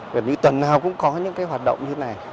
gần như tuần nào cũng có những hoạt động như thế này